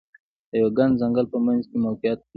د یوه ګڼ ځنګل په منځ کې موقعیت درلود.